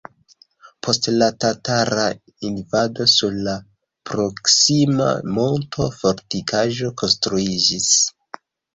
Post la tatara invado sur la proksima monto fortikaĵo konstruiĝis.